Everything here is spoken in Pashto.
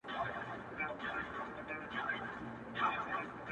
یو بیان به درته وایم که یې اورې